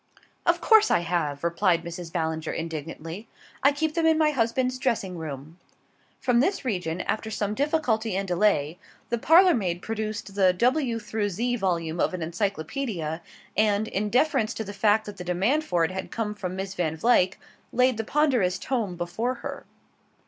"Of course I have," replied Mrs. Ballinger indignantly; "I keep them in my husband's dressing room." From this region, after some difficulty and delay, the parlour maid produced the W Z volume of an Encyclopaedia and, in deference to the fact that the demand for it had come from Miss Van Vluyck, laid the ponderous tome before her.